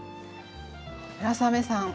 村雨さん！